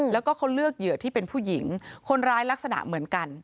แล้วก็เขาเลือกเหยื่อที่เป็นผู้หญิงคนร้ายลักษณะเหมือนกัน